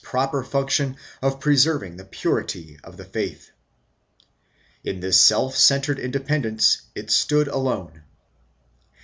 proper function of preserving the purity of the faith. In this self centered independence it stood alone.